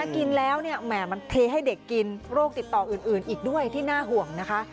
กินแล้วเนี่ยแหม่มันเทให้เด็กกินโรคติดต่ออื่นอีกด้วยที่น่าห่วงนะคะ